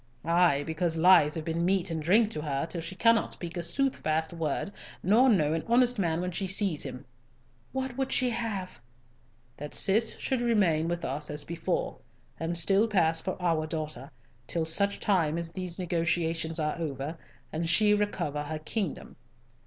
"Ay, because lies have been meat and drink to her, till she cannot speak a soothfast word nor know an honest man when she sees him." "What would she have?" "That Cis should remain with us as before, and still pass for our daughter, till such time as these negotiations are over, and she recover her kingdom.